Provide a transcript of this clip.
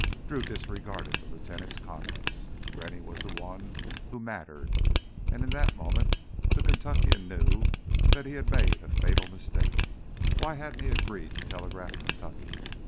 Drew disregarded the lieutenant's comments—Rennie was the one who mattered. And in that moment the Kentuckian knew that he had made a fatal mistake. Why hadn't he agreed to telegraph Kentucky?